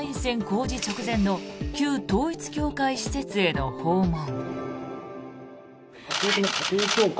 公示直前の旧統一教会施設への訪問。